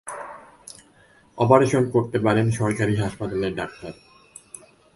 Operation করতে পারেন সরকারি হাসপাতালের ডাক্তার।